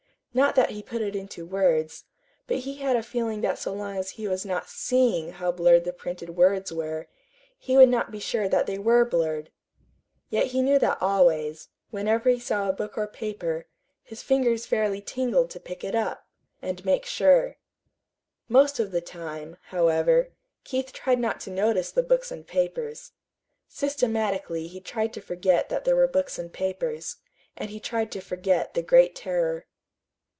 Not that he put it into words, but he had a feeling that so long as he was not SEEING how blurred the printed words were, he would not be sure that they were blurred. Yet he knew that always, whenever he saw a book or paper, his fingers fairly tingled to pick it up and make sure. Most of the time, however, Keith tried not to notice the books and papers. Systematically he tried to forget that there were books and papers and he tried to forget the Great Terror.